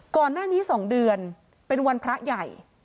ก่อนหน้านี้๒เดือนเป็นวันพระใหญ่